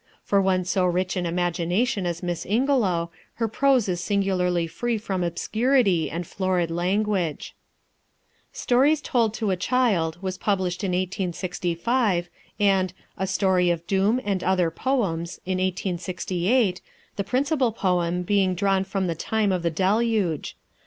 For one so rich in imagination as Miss Ingelow, her prose is singularly free from obscurity and florid language. Stories told to a Child was published in 1865, and A Story of Doom, and Other Poems, in 1868, the principal poem being drawn from the time of the Deluge.